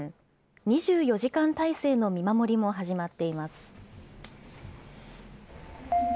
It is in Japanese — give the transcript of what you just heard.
２４時間体制の見守りも始まっています。